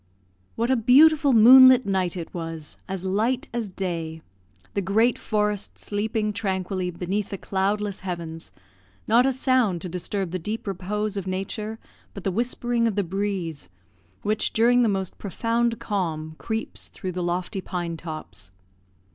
What a beautiful moonlight night it was, as light as day! the great forest sleeping tranquilly beneath the cloudless heavens not a sound to disturb the deep repose of nature but the whispering of the breeze, which, during the most profound calm, creeps through the lofty pine tops.